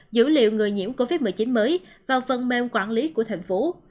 dữ liệu người nhiễm covid một mươi chín mới vào phần mềm quản lý của thành phố